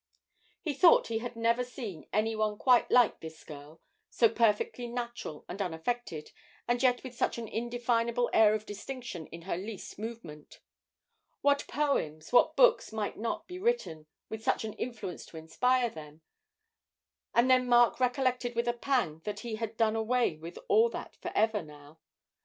He thought he had never seen any one quite like this girl, so perfectly natural and unaffected, and yet with such an indefinable air of distinction in her least movement. What poems, what books might not be written, with such an influence to inspire them, and then Mark recollected with a pang that he had done with all that for ever now.